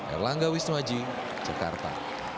erlangga wisnuaji jakarta